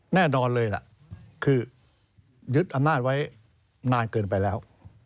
แน่นอนเลยล่ะคือยึดอำนาจไว้นานเกินไปแล้ว